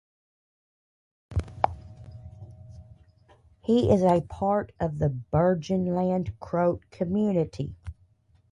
He is a part of the Burgenland Croat community.